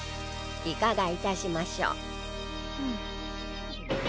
いかがいたしましょう？